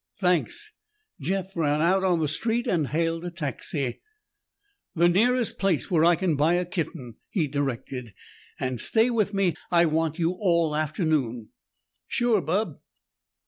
"Thanks." Jeff ran out on the street and hailed a taxi. "The nearest place where I can buy a kitten," he directed, "and stay with me. I want you all afternoon." "Sure, Bub."